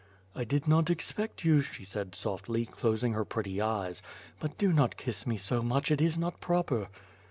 "I did not expect you," she said softly, closing her pretty eyes, "but do not kiss me so much. It is not proper."